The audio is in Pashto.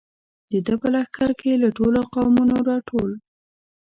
د ده په لښکر کې له ټولو قومونو را ټول.